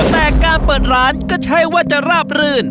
แต่การเปิดร้านก็ใช้ว่าจะราบรื่น